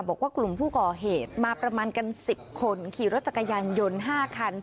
บอกว่ากลุ่มผู้ก่อเหตุมาประมาณกัน๑๐คนขี่รถจักรยานยนต์๕คัน